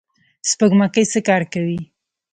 سپوږمکۍ څه کار کوي؟